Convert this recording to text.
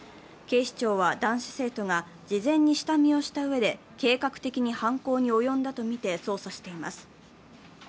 警視庁は、男子生徒が事前に下見をしたうえで、計画的に犯行に及んだとみて捜査しています。